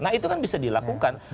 nah itu kan bisa dilakukan